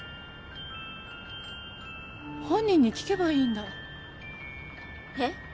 本人に聞けばいいんだえっ？